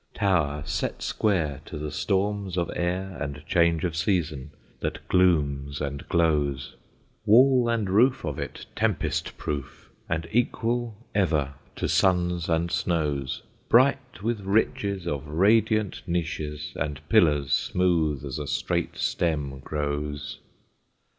Tower set square to the storms of air and change of season that glooms and glows, Wall and roof of it tempest proof, and equal ever to suns and snows, Bright with riches of radiant niches and pillars smooth as a straight stem grows.